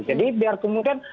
jadi biar kemudian